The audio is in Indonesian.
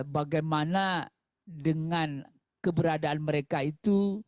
bagaimana dengan keberadaan mereka itu